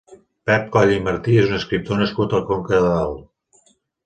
Pep Coll i Martí és un escriptor nascut a Conca de Dalt.